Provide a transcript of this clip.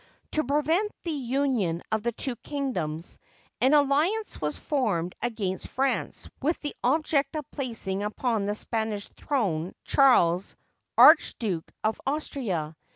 To prevent the union of the two kingdoms, an alliance was formed against France with the object of placing upon the Spanish throne Charles, Archduke of Austria.